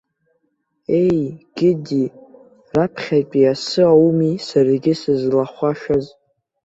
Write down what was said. Ееи гьыди, раԥхьатәи асы ауми саргьы сызлахәашаз!